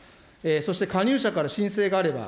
そして加入者から申請があれば、